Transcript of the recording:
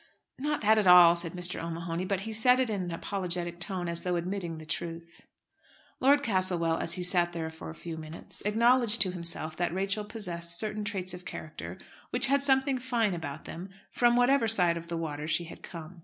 "Not that at all," said Mr. O'Mahony. But he said it in an apologetic tone, as though admitting the truth. Lord Castlewell, as he sat there for a few moments, acknowledged to himself that Rachel possessed certain traits of character which had something fine about them, from whatever side of the water she had come.